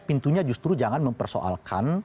pintunya justru jangan mempersoalkan